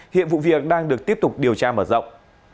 hiện vụ việc đang được tiếp tục điều tra mở rộng